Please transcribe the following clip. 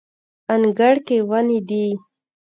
انګړ کې ونې دي